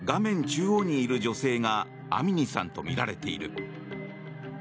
中央にいる女性がアミニさんとみられている。